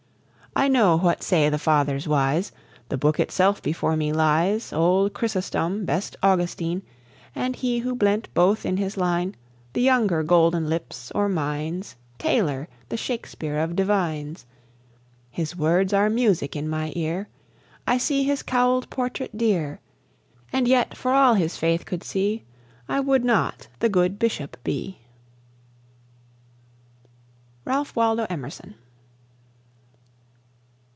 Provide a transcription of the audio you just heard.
I know what say the fathers wise, The Book itself before me lies, Old Chrysostom, best Augustine, And he who blent both in his line, The younger Golden Lips or mines, Taylor, the Shakespeare of divines. His words are music in my ear, I see his cowlèd portrait dear; And yet, for all his faith could see, I would not the good bishop be. RALPH WALDO EMERSON.